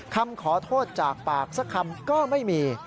คำขอโทษจากปากสักคำก็ไม่มี